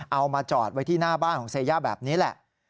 เอามาจอดไว้ที่หน้าบ้านของเซย่าแบบนี้แหละ